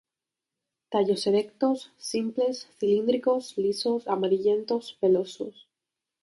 Tallos erectos, simples, cilíndricos, lisos, amarillentos, pelosos.